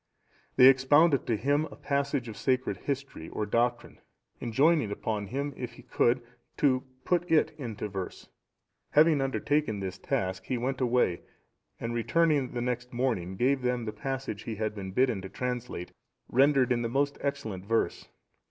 They expounded to him a passage of sacred history or doctrine, enjoining upon him, if he could, to put it into verse. Having undertaken this task, he went away, and returning the next morning, gave them the passage he had been bidden to translate, rendered in most excellent verse.